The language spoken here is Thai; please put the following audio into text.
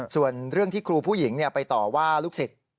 ส่วนเรื่องที่ครูผู้หญิงไปต่อว่าลูกศิษย์